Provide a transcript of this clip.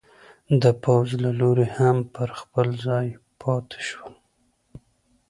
د پوځ له لوري هم پر خپل ځای پاتې شول.